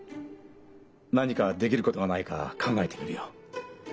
何かできることがないか考えてみるよ。